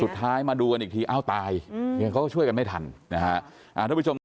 สุดท้ายมาดูกันอีกทีอ้าวตายเค้าก็ช่วยกันไม่ทันนะคะ